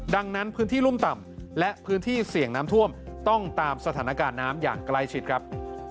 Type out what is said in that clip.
ดังนั้นพื้นที่รุ่มต่ำและพื้นที่เสี่ยงน้ำท่วมต้องตามสถานการณ์น้ำอย่างใกล้ชิดครับ